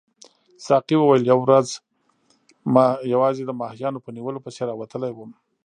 ساقي وویل یوه ورځ یوازې د ماهیانو په نیولو پسې راوتلی وم.